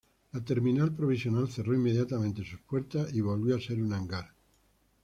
La terminal provisional cerró inmediatamente sus puertas y volvió a ser un hangar.